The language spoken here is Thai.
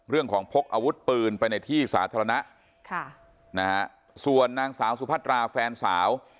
พกอาวุธปืนไปในที่สาธารณะค่ะนะฮะส่วนนางสาวสุพัตราแฟนสาว